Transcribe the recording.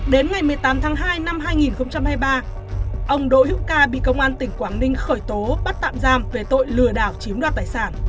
đến ngày một mươi tám tháng hai năm hai nghìn hai mươi ba ông đỗ hữu ca bị công an tỉnh quảng ninh khởi tố bắt tạm giam về tội lừa đảo chiếm đoạt tài sản